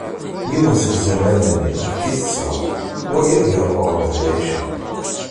Yiwen seg izamaren-nni, efk-it ṣṣbeḥ, wayeḍ gar lmeɣreb d lɛica.